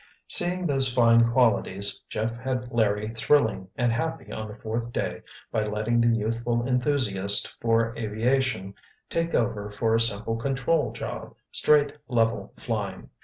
Seeing those fine qualities, Jeff had Larry thrilling and happy on the fourth day by letting the youthful enthusiast for aviation take over for a simple control job, straight, level flying.